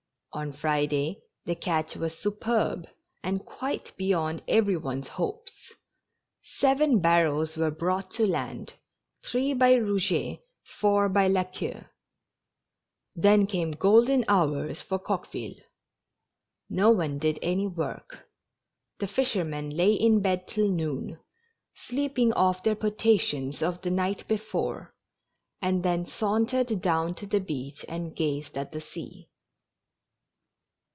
On Friday, the catch was superb and quite beyond every one's hopes ; seven barrels were brought to land, three by Rouget, four by La Queue. Then came golden hours for Coqueville. No one did any work. The fishermen lay in bed till noon, sleeping off their potations of the night before, and then sauntered down to the beach, and gazed at the sea.